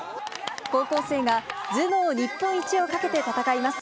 高校生たちが頭脳日本一をかけて戦います。